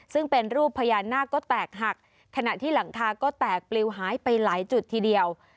ซึ่งเป็นรูปพญานาคก็แตกหักขณะที่หลังคาก็แตกปลิวหายไปหลายจุดทีเดียว